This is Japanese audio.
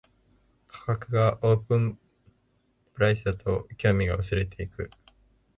価格がオープンプライスだと興味が薄れていく